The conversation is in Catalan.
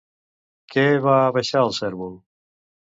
Què va abaixar el cérvol?